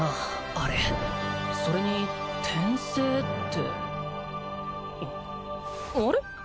あれそれに転生ってあれ？